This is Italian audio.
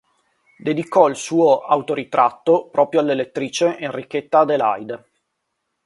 Dedicò il suo "Autoritratto" proprio all'elettrice Enrichetta Adelaide.